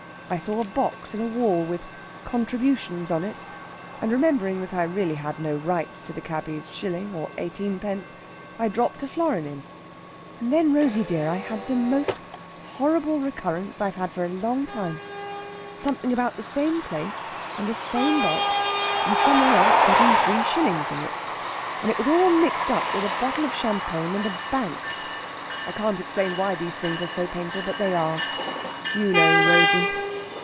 I saw a box in a wall with 'Contributions' on it, and remembering that I really had no right to the cabby's shilling or eighteenpence, I dropped a florin in. And then, Rosey dear, I had the most horrible recurrence I've had for a long time something about the same place and the same box, and some one else putting three shillings in it. And it was all mixed up with a bottle of champagne and a bank. I can't explain why these things are so painful, but they are. You know, Rosey!"